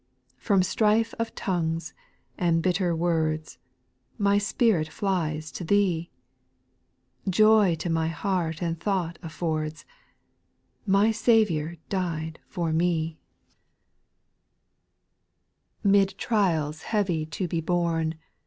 From strife of tongues, and bitter words, My spirit flies to Thee ; Joy to my heart the thought affords, My Saviour died for me 1 8. ' Mid trials heavy to be ]x)rne.